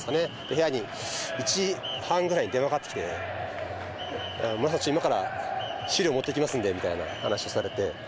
部屋に１時半ぐらいに電話かかってきて、今から資料持っていきますからという話をされて。